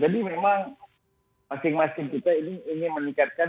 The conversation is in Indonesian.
jadi memang masing masing kita ini ingin meningkatkan